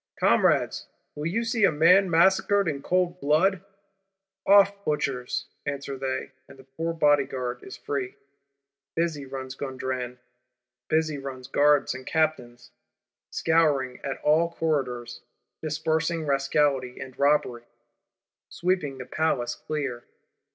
'Comrades, will you see a man massacred in cold blood?'—'Off, butchers!' answer they; and the poor Bodyguard is free. Busy runs Gondran, busy run Guards and Captains; scouring at all corridors; dispersing Rascality and Robbery; sweeping the Palace clear.